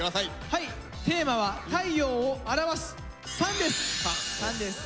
はいテーマは太陽を表す「ＳＵＮ」です！